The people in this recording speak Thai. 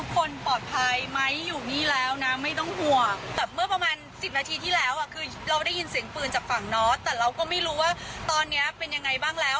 พี่หลบหาที่อะไรไว้แล้วก็ลองดูทิศทางดีอย่าผีผ่ามไปทำอะไรเลยนะ